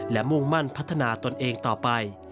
และมุ่งมั่นพัฒนาตนเองต่อไป